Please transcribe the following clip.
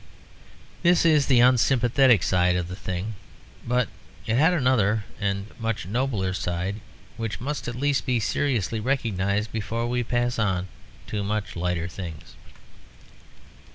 This is the unsympathetic side of the thing; but it had another and much nobler side, which must at least be seriously recognised before we pass on to much lighter things.